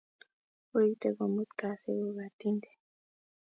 kuite kumut kasi kukatinte